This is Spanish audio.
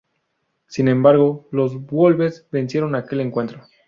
Sin embargo los Wolves vencieron aquel encuentro.